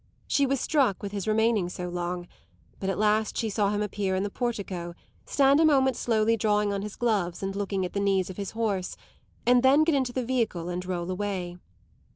She was struck with his remaining so long, but at last she saw him appear in the portico, stand a moment slowly drawing on his gloves and looking at the knees of his horse, and then get into the vehicle and roll away.